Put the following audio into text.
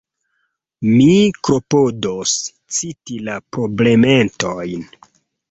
Mi klopodos citi la problemetojn.